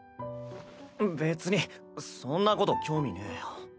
別にそんなこと興味ねぇよ。